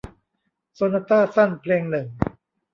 โซนาต้าสั้นเพลงหนึ่ง